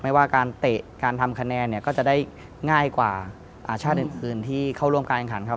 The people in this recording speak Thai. ไม่ว่าการเตะการทำคะแนนเนี่ยก็จะได้ง่ายกว่าชาติอื่นที่เข้าร่วมการแข่งขันครับ